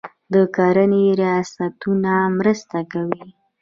د کرنې ریاستونه مرسته کوي.